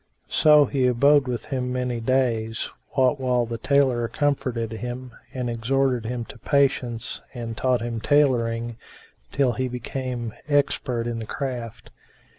So he abode with him many days, what while the tailor comforted him and exhorted him to patience and taught him tailoring, till he became expert in the craft.